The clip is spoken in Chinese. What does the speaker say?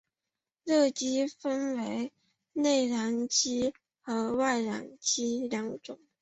热机分为内燃机和外燃机两种。